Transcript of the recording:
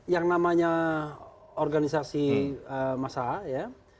yang namanya organisasi masalah